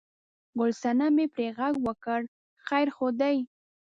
ګل صنمې پرې غږ وکړ: خیر خو دی؟